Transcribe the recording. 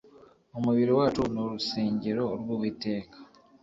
Umubiri wacu ni urusengero rw’uwiteka